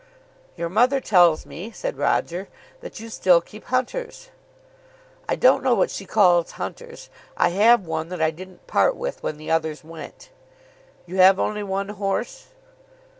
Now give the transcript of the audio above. "Your mother tells me," said Roger, "that you still keep hunters." "I don't know what she calls hunters. I have one that I didn't part with when the others went." "You have only one horse?"